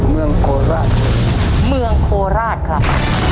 เมืองโคราชเมืองโคราชครับ